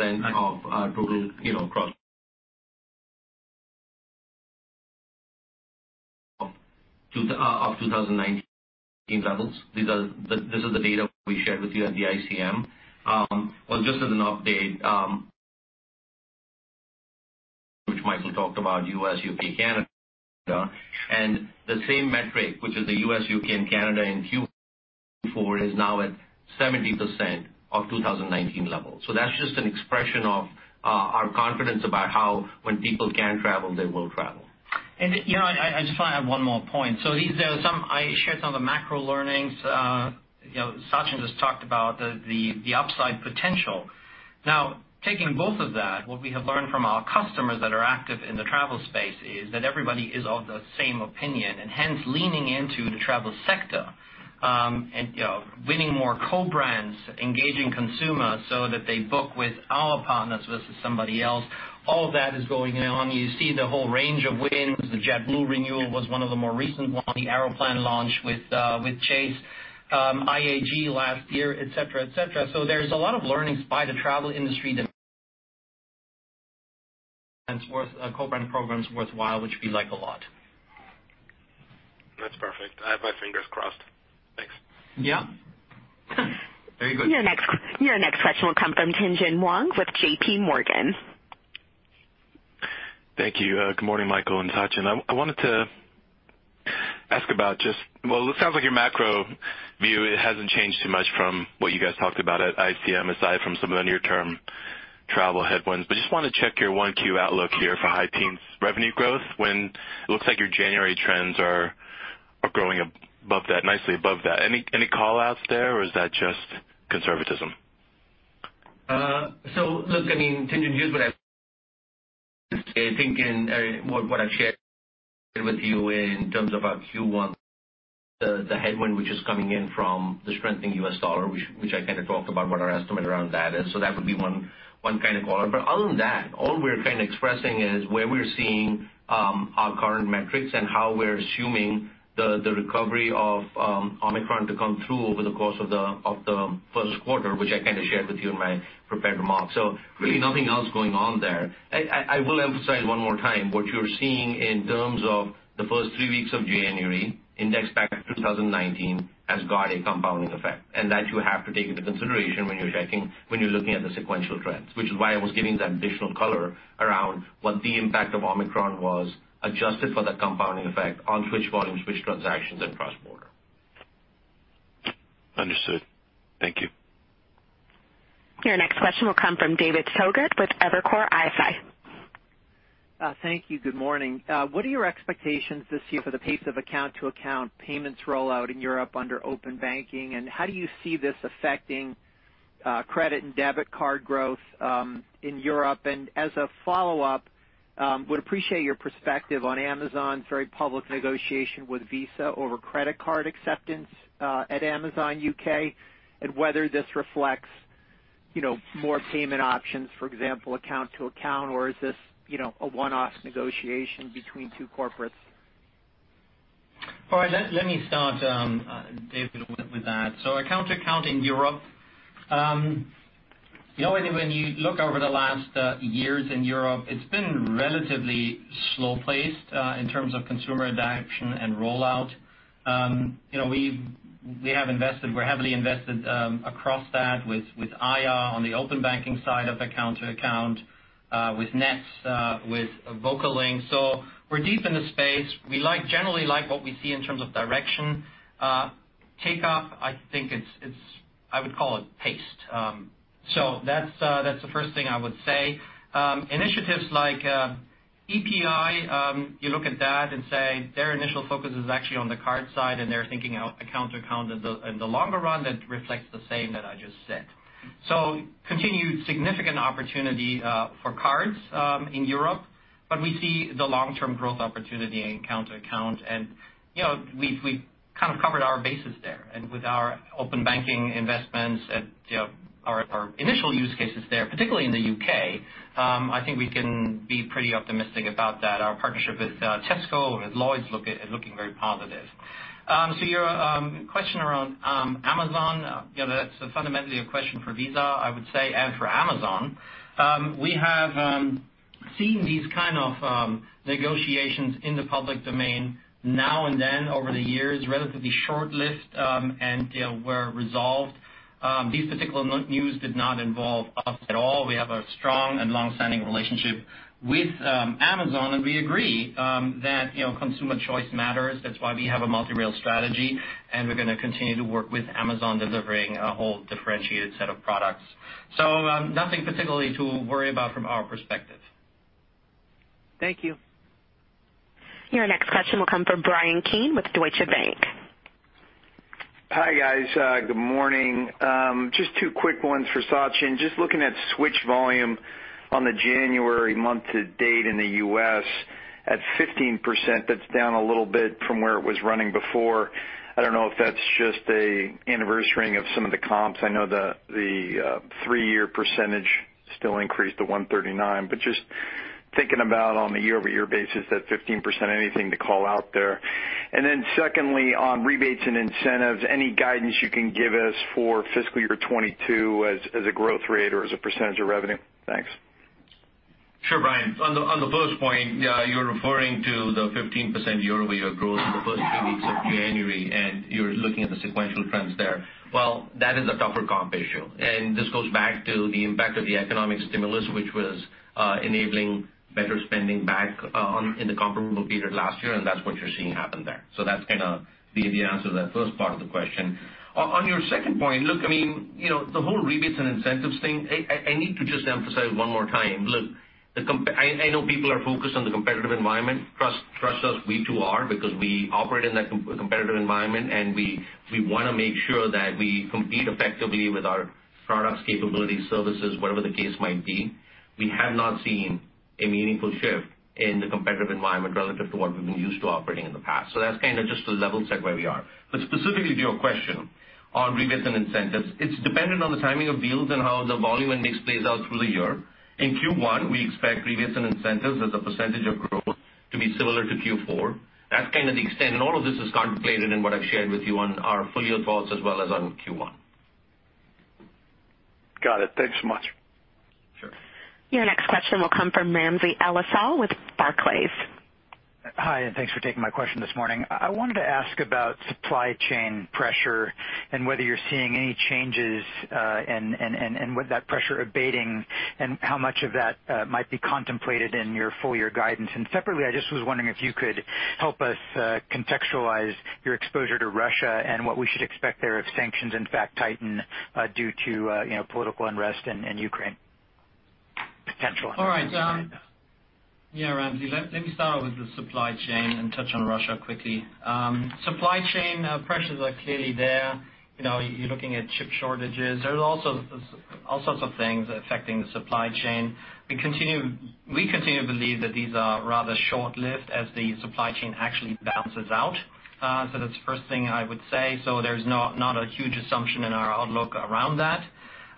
of our total, you know, cross of 2019 levels. This is the data we shared with you at the ICM. Well, just as an update, which Michael talked about U.S., U.K., Canada. The same metric, which is the U.S., U.K., and Canada in Q4 is now at 70% of 2019 levels. That's just an expression of our confidence about how when people can travel, they will travel. You know, I just wanna add one more point. I shared some of the macro learnings. You know, Sachin just talked about the upside potential. Now, taking both of that, what we have learned from our customers that are active in the travel space is that everybody is of the same opinion, and hence leaning into the travel sector, and winning more co-brands, engaging consumers so that they book with our partners versus somebody else. All of that is going on. You see the whole range of wins. The JetBlue renewal was one of the more recent ones. The Aeroplan launch with Chase, IAG last year, et cetera, et cetera. There's a lot of learnings by the travel industry that co-brand programs worthwhile, which we like a lot. That's perfect. I have my fingers crossed. Thanks. Yeah. Very good. Your next question will come from Tien-Tsin Huang with JPMorgan. Thank you. Good morning, Michael and Sachin. I wanted to ask about just. Well, it sounds like your macro view, it hasn't changed too much from what you guys talked about at ICM, aside from some of the near-term travel headwinds. Just wanna check your 1Q outlook here for high teens revenue growth when it looks like your January trends are growing above that, nicely above that. Any call outs there or is that just conservatism? Look, I mean, Tien-Tsin Huang, here's what I think what I've shared with you in terms of our Q1, the headwind which is coming in from the strengthening U.S. dollar, which I kind of talked about what our estimate around that is. That would be one kind of color. But other than that, all we're kind of expressing is where we're seeing our current metrics and how we're assuming the recovery of Omicron to come through over the course of the first quarter, which I kind of shared with you in my prepared remarks. Really nothing else going on there. I will emphasize one more time what you're seeing in terms of the first three weeks of January indexed back to 2019 has got a compounding effect. that you have to take into consideration when you're looking at the sequential trends, which is why I was giving that additional color around what the impact of Omicron was adjusted for that compounding effect on switch volume, switch transactions and cross-border. Understood. Thank you. Your next question will come from David Togut with Evercore ISI. Thank you. Good morning. What are your expectations this year for the pace of account to account payments rollout in Europe under open banking, and how do you see this affecting credit and debit card growth in Europe? As a follow-up, I would appreciate your perspective on Amazon's very public negotiation with Visa over credit card acceptance at Amazon U.K., and whether this reflects, you know, more payment options, for example, account to account, or is this, you know, a one-off negotiation between two corporates? All right. Let me start, David, with that. Account to account in Europe. You know, when you look over the last years in Europe, it's been relatively slow-paced in terms of consumer adoption and rollout. You know, we have invested, we're heavily invested across that with Aiia on the open banking side of the account to account with Nets with VocaLink. We're deep in the space. We generally like what we see in terms of direction. Takeoff, I think it's paced. That's the first thing I would say. Initiatives like EPI, you look at that and say their initial focus is actually on the card side, and they're thinking about account to account in the longer run that reflects the same that I just said. Continued significant opportunity for cards in Europe, but we see the long-term growth opportunity in account to account. You know, we've kind of covered our bases there. With our open banking investments and, you know, our initial use cases there, particularly in the U.K., I think we can be pretty optimistic about that. Our partnership with Tesco and with Lloyds is looking very positive. Your question around Amazon, you know, that's fundamentally a question for Visa, I would say, and for Amazon. We have seen these kind of negotiations in the public domain now and then over the years, relatively short-lived, and, you know, were resolved. These particular news did not involve us at all. We have a strong and long-standing relationship with Amazon, and we agree that, you know, consumer choice matters. That's why we have a multi-rail strategy, and we're gonna continue to work with Amazon, delivering a whole differentiated set of products. Nothing particularly to worry about from our perspective. Thank you. Your next question will come from Bryan Keane with Deutsche Bank. Hi, guys. Good morning. Just two quick ones for Sachin. Just looking at switch volume on the January month to date in the U.S. at 15%, that's down a little bit from where it was running before. I don't know if that's just a anniversary-ing of some of the comps. I know the three-year percentage still increased to 139. Just thinking about on the year-over-year basis, that 15%, anything to call out there? And then secondly, on rebates and incentives, any guidance you can give us for fiscal year 2022 as a growth rate or as a percentage of revenue? Thanks. Sure, Bryan. On the first point, you're referring to the 15% year-over-year growth in the first three weeks of January, and you're looking at the sequential trends there. Well, that is a tougher comp issue, and this goes back to the impact of the economic stimulus, which was enabling better spending back in the comparable period last year, and that's what you're seeing happen there. So that's kinda the answer to that first part of the question. On your second point, look, I mean, you know, the whole rebates and incentives thing, I need to just emphasize one more time. Look, I know people are focused on the competitive environment. Trust us, we too are, because we operate in that competitive environment, and we wanna make sure that we compete effectively with our products, capabilities, services, whatever the case might be. We have not seen a meaningful shift in the competitive environment relative to what we've been used to operating in the past. That's kinda just to level set where we are. Specifically to your question on rebates and incentives, it's dependent on the timing of deals and how the volume index plays out through the year. In Q1, we expect rebates and incentives as a percentage of growth to be similar to Q4. That's kind of the extent, and all of this is contemplated in what I've shared with you on our full year thoughts as well as on Q1. Got it. Thanks so much. Sure. Your next question will come from Ramsey El-Assal with Barclays. Hi, and thanks for taking my question this morning. I wanted to ask about supply chain pressure and whether you're seeing any changes, and with that pressure abating and how much of that might be contemplated in your full year guidance. Separately, I just was wondering if you could help us contextualize your exposure to Russia and what we should expect there if sanctions, in fact, tighten due to you know, political unrest in Ukraine. Potential. All right. Yeah, Ramsey, let me start with the supply chain and touch on Russia quickly. Supply chain pressures are clearly there. You know, you're looking at chip shortages. There are also all sorts of things affecting the supply chain. We continue to believe that these are rather short-lived as the supply chain actually balances out. That's the first thing I would say. There's not a huge assumption in our outlook around that.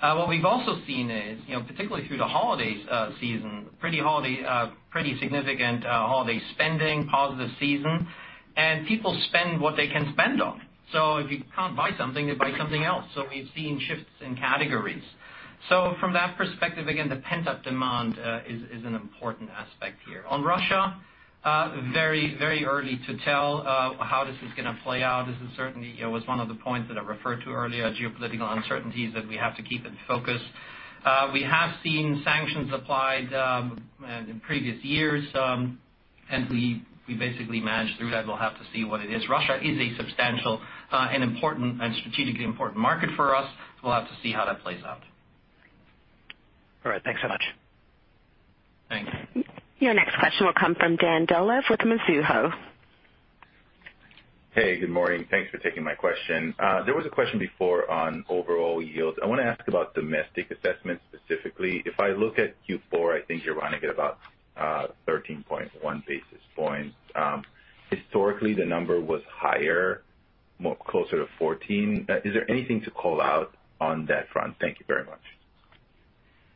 What we've also seen is, you know, particularly through the holiday season, pretty significant holiday spending, positive season. People spend what they can spend on. If you can't buy something, they buy something else. We've seen shifts in categories. From that perspective, again, the pent-up demand is an important aspect here. On Russia, very, very early to tell how this is gonna play out. This is certainly, you know, was one of the points that I referred to earlier, geopolitical uncertainties that we have to keep in focus. We have seen sanctions applied in previous years, and we basically managed through that. We'll have to see what it is. Russia is a substantial and important and strategically important market for us. We'll have to see how that plays out. All right. Thanks so much. Thanks. Your next question will come from Dan Dolev with Mizuho. Hey, good morning. Thanks for taking my question. There was a question before on overall yields. I wanna ask about domestic assessments specifically. If I look at Q4, I think you're running at about 13.1 basis points. Historically, the number was higher, more closer to 14. Is there anything to call out on that front? Thank you very much.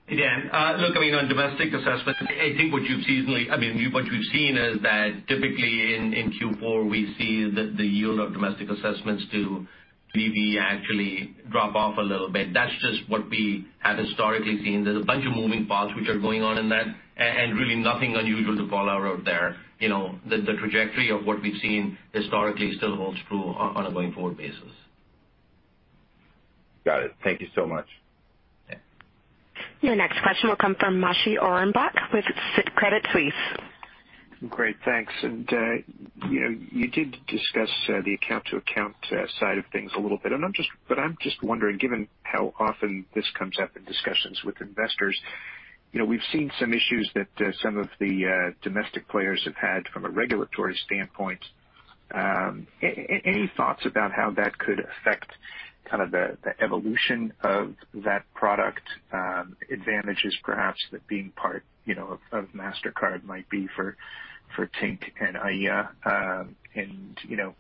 Yeah. Look, I mean, on domestic assessments, I think what you've seen is that typically in Q4, we see the yield of domestic assessments to maybe actually drop off a little bit. That's just what we have historically seen. There's a bunch of moving parts which are going on in that and really nothing unusual to call out there. You know, the trajectory of what we've seen historically still holds true on a going forward basis. Got it. Thank you so much. Yeah. Your next question will come from Moshe Orenbuch with Credit Suisse. Great, thanks. You know, you did discuss the account to account side of things a little bit. I'm just wondering, given how often this comes up in discussions with investors, you know, we've seen some issues that some of the domestic players have had from a regulatory standpoint. Any thoughts about how that could affect kind of the evolution of that product, advantages perhaps that being part, you know, of Mastercard might be for Tink and Aiia. You know,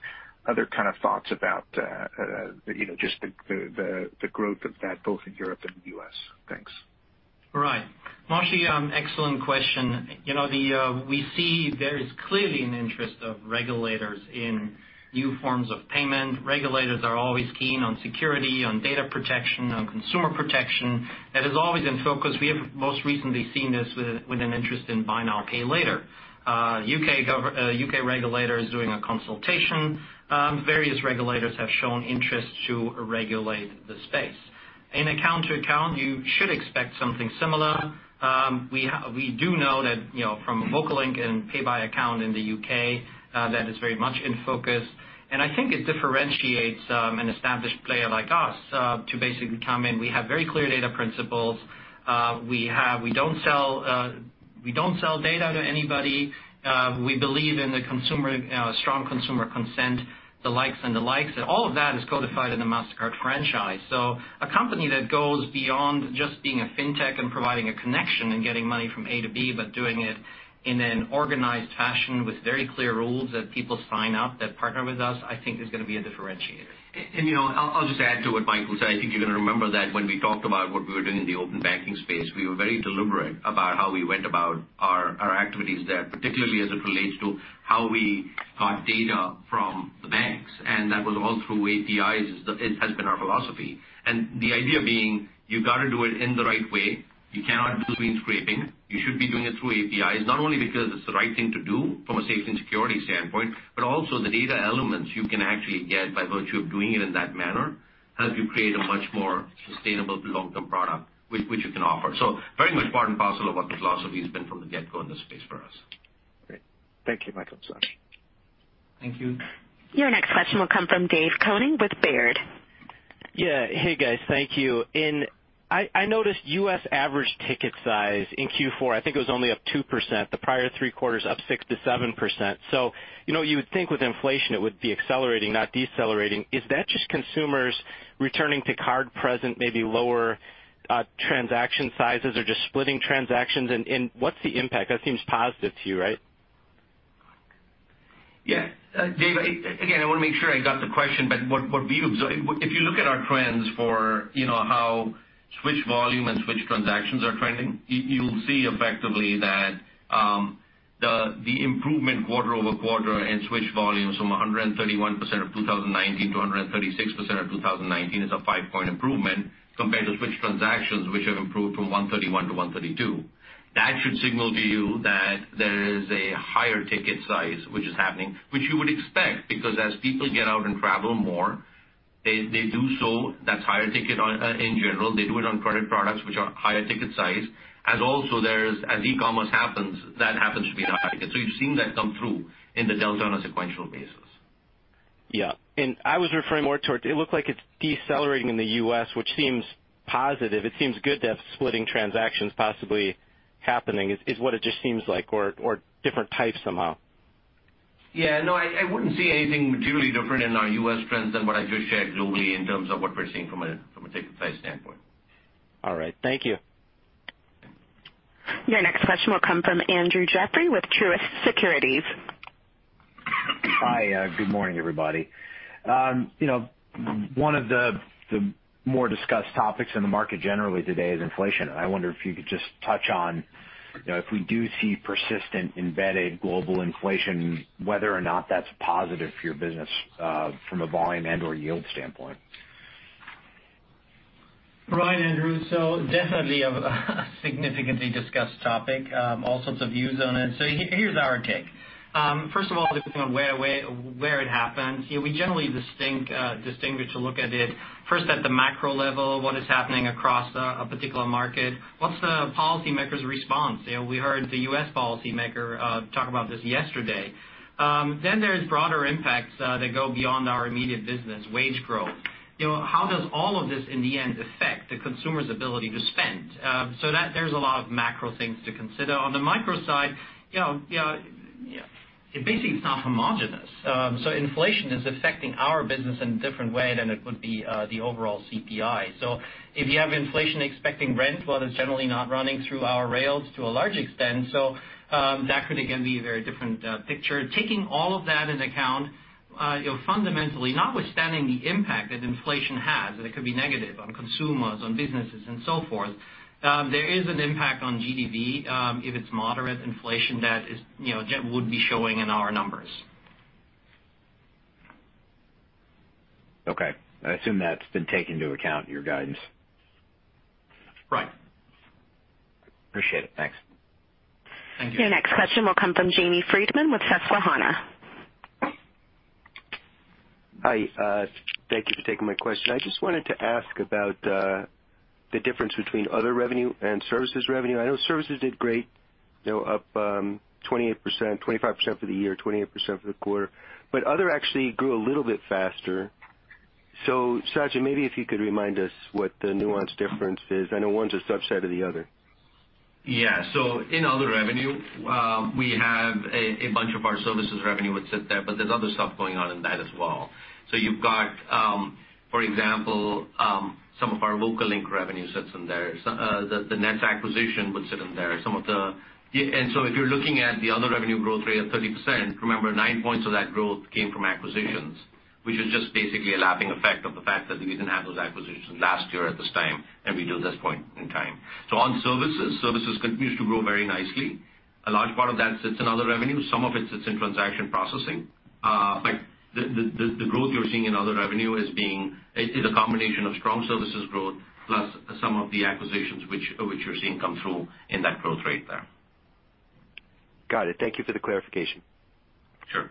other kind of thoughts about you know, just the growth of that both in Europe and the U.S. Thanks. Right. Moshe, excellent question. You know, we see there is clearly an interest of regulators in new forms of payment. Regulators are always keen on security, on data protection, on consumer protection. That is always in focus. We have most recently seen this with an interest in buy now, pay later. U.K. regulator is doing a consultation. Various regulators have shown interest to regulate the space. In account-to-account, you should expect something similar. We do know that, you know, from VocaLink and Pay by Bank in the U.K., that is very much in focus. I think it differentiates an established player like us to basically come in. We have very clear data principles. We don't sell data to anybody. We believe in the consumer, strong consumer consent, the likes and dislikes, and all of that is codified in the Mastercard franchise. A company that goes beyond just being a fintech and providing a connection and getting money from A to B, but doing it in an organized fashion with very clear rules that people sign up that partner with us, I think is gonna be a differentiator. You know, I'll just add to what Michael said. I think you're gonna remember that when we talked about what we were doing in the open banking space, we were very deliberate about how we went about our activities there, particularly as it relates to how we got data from the banks, and that was all through APIs. It has been our philosophy. The idea being, you gotta do it in the right way. You cannot do it through screen scraping. You should be doing it through APIs, not only because it's the right thing to do from a safety and security standpoint, but also the data elements you can actually get by virtue of doing it in that manner helps you create a much more sustainable long-term product which you can offer. Very much part and parcel of what the philosophy has been from the get-go in this space for us. Great. Thank you, Michael and Sachin. Thank you. Your next question will come from David Koning with Baird. Yeah. Hey, guys. Thank you. I noticed U.S. average ticket size in Q4, I think it was only up 2%, the prior three quarters up 6%-7%. You know, you would think with inflation it would be accelerating, not decelerating. Is that just consumers returning to card present, maybe lower transaction sizes or just splitting transactions? What's the impact? That seems positive to you, right? Yeah. David, again, I want to make sure I got the question, but what we observe if you look at our trends for, you know, how switch volume and switch transactions are trending, you'll see effectively that the improvement quarter-over-quarter in switch volumes from 131% of 2019 to 136% of 2019 is a five-point improvement compared to switch transactions, which have improved from 131% to 132%. That should signal to you that there is a higher ticket size which is happening, which you would expect, because as people get out and travel more, they do so. That's higher ticket in general. They do it on credit products which are higher ticket size, as e-commerce happens, that happens to be an uptick. You've seen that come through in the delta on a sequential basis. Yeah. I was referring more towards it looked like it's decelerating in the U.S., which seems positive. It seems good to have splitting transactions possibly happening is what it just seems like or different types somehow. Yeah. No, I wouldn't see anything materially different in our U.S. trends than what I just shared globally in terms of what we're seeing from a ticket size standpoint. All right. Thank you. Your next question will come from Andrew Jeffrey with Truist Securities. Hi. Good morning, everybody. You know, one of the more discussed topics in the market generally today is inflation. I wonder if you could just touch on, you know, if we do see persistent embedded global inflation, whether or not that's positive for your business from a volume and/or yield standpoint. Right, Andrew. Definitely a significantly discussed topic. All sorts of views on it. Here's our take. First of all, depending on where it happens, you know, we generally distinguish to look at it first at the macro level, what is happening across a particular market. What's the policymakers' response? You know, we heard the U.S. policymaker talk about this yesterday. Then there's broader impacts that go beyond our immediate business. Wage growth. You know, how does all of this in the end affect the consumer's ability to spend? There's a lot of macro things to consider. On the micro side, you know, basically, it's not homogeneous. Inflation is affecting our business in a different way than it would be the overall CPI. If you have inflation expecting rent, well, that's generally not running through our rails to a large extent. That could again be a very different picture. Taking all of that into account you know, fundamentally, notwithstanding the impact that inflation has, and it could be negative on consumers, on businesses and so forth, there is an impact on GDV, if it's moderate inflation that is, you know, that would be showing in our numbers. Okay. I assume that's been taken into account in your guidance. Right. Appreciate it. Thanks. Thank you. Your next question will come from Jamie Friedman with Susquehanna. Hi, thank you for taking my question. I just wanted to ask about the difference between other revenue and services revenue. I know services did great, you know, up 28%, 25% for the year, 28% for the quarter. Other actually grew a little bit faster. Sachin, maybe if you could remind us what the nuance difference is. I know one's a subset of the other. In other revenue, we have a bunch of our services revenue would sit there, but there's other stuff going on in that as well. You've got, for example, some of our Local Link revenue sits in there. The Nets acquisition would sit in there. If you're looking at the other revenue growth rate of 30%, remember nine points of that growth came from acquisitions, which is just basically a lapping effect of the fact that we didn't have those acquisitions last year at this time, and we do at this point in time. On services continues to grow very nicely. A large part of that sits in other revenue. Some of it sits in transaction processing. But the growth you're seeing in other revenue is a combination of strong services growth plus some of the acquisitions which you're seeing come through in that growth rate there. Got it. Thank you for the clarification. Sure.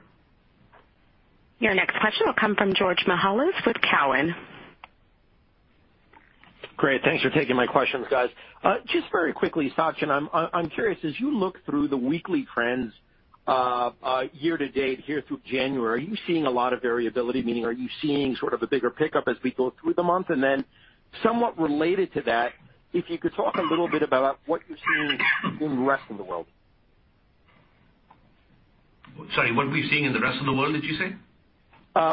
Your next question will come from George Mihalos with Cowen. Great. Thanks for taking my questions, guys. Just very quickly, Sachin, I'm curious, as you look through the weekly trends, year to date here through January, are you seeing a lot of variability? Meaning are you seeing sort of a bigger pickup as we go through the month? Then somewhat related to that, if you could talk a little bit about what you're seeing in rest of the world. Sorry, what we're seeing in the rest of the world, did you say?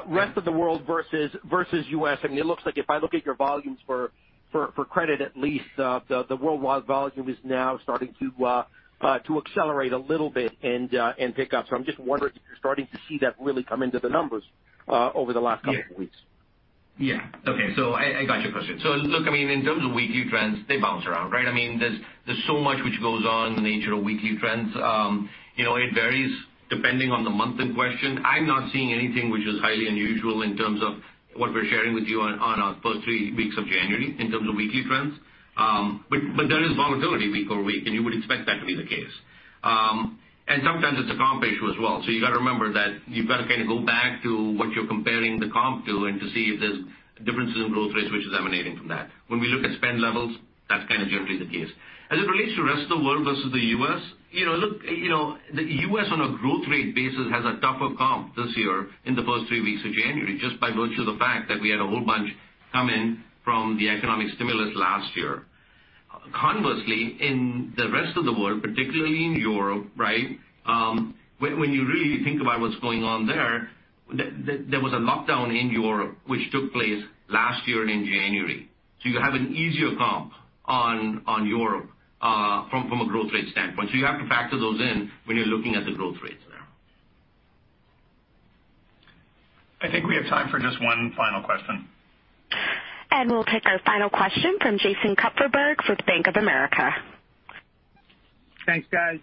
Rest of the world versus U.S. I mean, it looks like if I look at your volumes for credit, at least, the worldwide volume is now starting to accelerate a little bit and pick up. I'm just wondering if you're starting to see that really come into the numbers over the last couple of weeks. Yeah. Okay. I got your question. Look, I mean, in terms of weekly trends, they bounce around, right? I mean, there's so much which goes on in the nature of weekly trends. You know, it varies depending on the month in question. I'm not seeing anything which is highly unusual in terms of what we're sharing with you on our first three weeks of January in terms of weekly trends. But there is volatility week-over-week, and you would expect that to be the case. And sometimes it's a comp issue as well. You gotta remember that you've got to kind of go back to what you're comparing the comp to and to see if there's differences in growth rates which is emanating from that. When we look at spend levels, that's kind of generally the case. As it relates to rest of the world versus the U.S., you know, look, you know, the U.S. on a growth rate basis has a tougher comp this year in the first three weeks of January, just by virtue of the fact that we had a whole bunch come in from the economic stimulus last year. Conversely, in the rest of the world, particularly in Europe, right? When you really think about what's going on there was a lockdown in Europe which took place last year and in January. You have an easier comp on Europe from a growth rate standpoint. You have to factor those in when you're looking at the growth rates there. I think we have time for just one final question. We'll take our final question from Jason Kupferberg with Bank of America. Thanks, guys.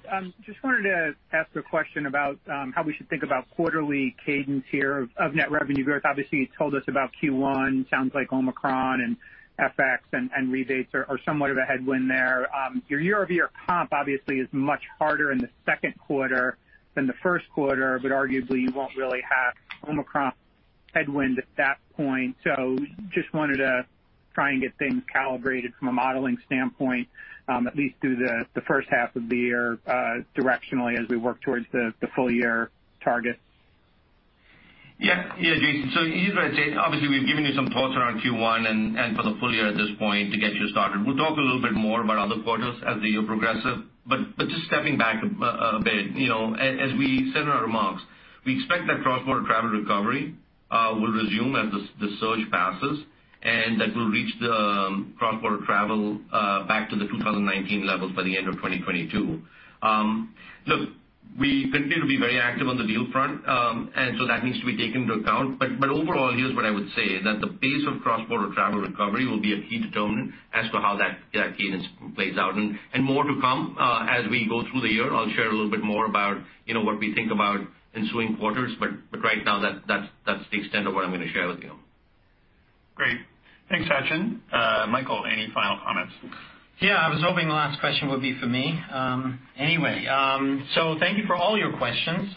Just wanted to ask a question about how we should think about quarterly cadence here of net revenue growth. Obviously, you told us about Q1. Sounds like Omicron and FX and rebates are somewhat of a headwind there. Your year-over-year comp obviously is much harder in the second quarter than the first quarter, but arguably you won't really have Omicron headwind at that point. Just wanted to try and get things calibrated from a modeling standpoint, at least through the first half of the year, directionally as we work towards the full year targets. Yeah. Yeah, Jason. Here's what I'd say. Obviously, we've given you some thoughts around Q1 and for the full year at this point to get you started. We'll talk a little bit more about other quarters as the year progresses. Just stepping back a bit, you know, as we said in our remarks, we expect that cross-border travel recovery will resume as the surge passes and that we'll reach the cross-border travel back to the 2019 levels by the end of 2022. Look, we continue to be very active on the deal front, and so that needs to be taken into account. Overall, here's what I would say, that the pace of cross-border travel recovery will be a key determinant as to how that cadence plays out. More to come as we go through the year. I'll share a little bit more about, you know, what we think about ensuing quarters, but right now that's the extent of what I'm gonna share with you. Great. Thanks, Sachin. Michael, any final comments? Yeah, I was hoping the last question would be for me. Anyway, thank you for all your questions.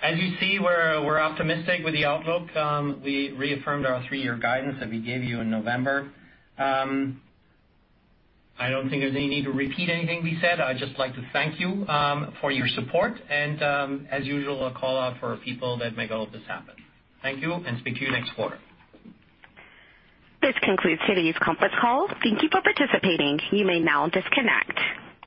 As you see, we're optimistic with the outlook. We reaffirmed our three-year guidance that we gave you in November. I don't think there's any need to repeat anything we said. I'd just like to thank you for your support and, as usual, a call out for people that make all of this happen. Thank you, and speak to you next quarter. This concludes today's conference call. Thank you for participating. You may now disconnect.